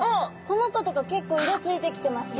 この子とか結構色ついてきてます